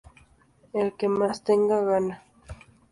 El que más tenga, gana.